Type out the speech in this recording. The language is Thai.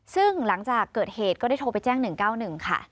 ซึ่งหลังจากเกิดเหตุก็ได้โทรไปแจ้ง๑๙๑ค่ะ